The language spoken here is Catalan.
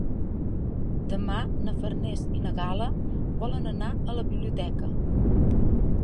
Demà na Farners i na Gal·la volen anar a la biblioteca.